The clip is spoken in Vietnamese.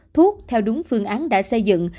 thuốc theo đúng phương án đã xây dựng